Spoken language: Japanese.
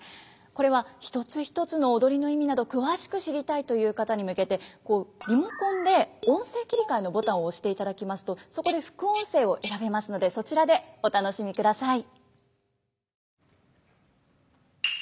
これは一つ一つの踊りの意味など詳しく知りたいという方に向けてリモコンで「音声切換」のボタンを押していただきますとそこで「副音声」を選べますのでそちらでお楽しみください。